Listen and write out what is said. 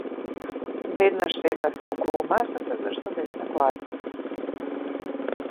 Веднаш седнавме околу масата зашто бевме гладни.